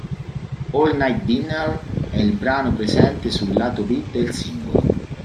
All Night Diner è il brano presente sul lato B del singolo.